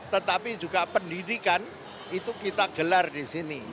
tetapi juga pendidikan itu kita gelar di sini